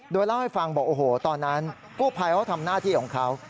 โดยเล่าให้ฟังบอกโอ้โหตอนนั้นกู้ภัยเขาทำหน้าที่ของเขา